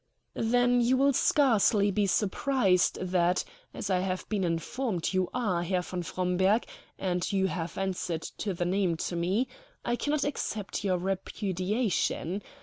"Then you will scarcely be surprised that, as I have been informed you are Herr von Fromberg, and you have answered to the name to me, I cannot accept your repudiation.